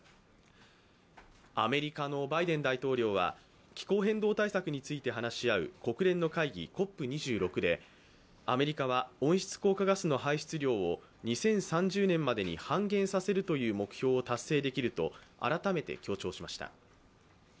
アメリカのバイデン大統領は気候変動対策について話し合う国連の会議、ＣＯＰ２６でアメリカは温室効果ガスの排出量を２０３０年までに半減させるという目標を達成できると改めて強調しました。